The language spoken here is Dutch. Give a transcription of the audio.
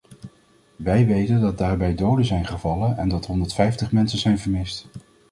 Wij weten dat daarbij doden zijn gevallen en dat honderdvijftig mensen zijn vermist.